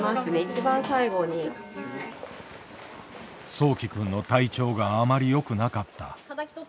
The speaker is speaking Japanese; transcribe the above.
そうき君の体調があまりよくなかった。